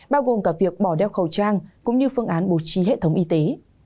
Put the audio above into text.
bao gồm cả việc bỏ đeo khẩu trang cũng như phương án bổ trí hệ thống y tế